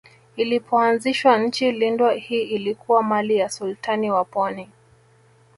Ilipoanzishwa Nchi lindwa hii ilikuwa mali ya Sultani wa Pwani